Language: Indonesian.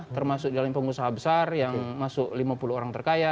termasuk dalam pengusaha besar yang masuk lima puluh orang terkaya